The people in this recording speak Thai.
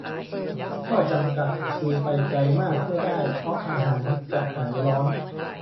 ข้อจำกัดคือไปไกลมากไม่ได้ เพราะอาหารจะหายร้อน